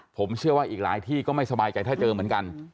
ผมเชื่อว่าอีกหลายที่ก็ไม่สบายใจถ้าเจอเหมือนกัน